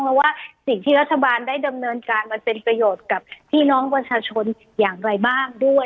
เพราะว่าสิ่งที่รัฐบาลได้ดำเนินการมันเป็นประโยชน์กับพี่น้องประชาชนอย่างไรบ้างด้วย